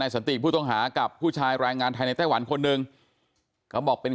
สันติผู้ต้องหากับผู้ชายแรงงานไทยในไต้หวันคนหนึ่งเขาบอกเป็น